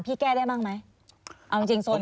พี่แก้ได้บ้างไหม